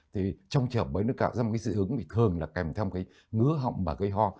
thì trong trường mới nó gạo ra một cái dự ứng thường là kèm theo một cái ngứa họng và cây ho